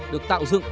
được tạo dựng